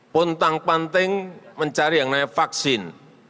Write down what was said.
pun tang panting mencari yang namanya vaksin